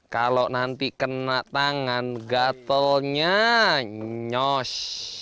kalau nanti kena tangan gatelnya nyos